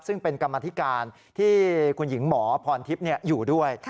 ซึ่งเป็นกรรมธิการที่คุณหญิงหมอพรทิพย์อยู่ด้วย